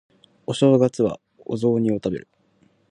お正月はお雑煮を食べる